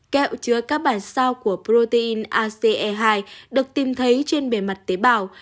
kẹo chứa các bản sao của protein ace hai được tìm thấy trên bề mặt tế bào